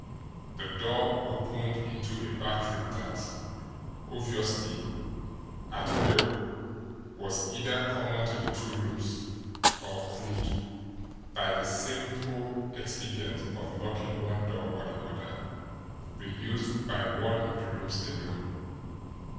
The door opened into a bathroom that, obviously, at will, was either common to the two rooms or could, by the simple expedient of locking one door or the other, be used by one of the rooms alone.